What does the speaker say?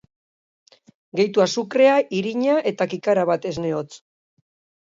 Gehitu azukrea, irina eta kikara bat esne hotz.